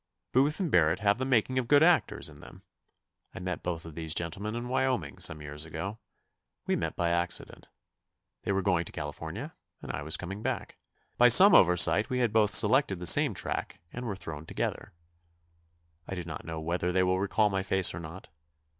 Booth and Barrett have the making of good actors in them. I met both of these gentlemen in Wyoming some years ago. We met by accident. They were going to California and I was coming back. By some oversight we had both selected the same track, and we were thrown together. I do not know whether they will recall my face or not.